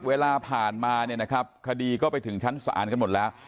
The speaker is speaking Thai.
เวลาผ่านมาเนี่ยนะครับคดีก็ไปถึงชั้นศาลกันหมดแล้ว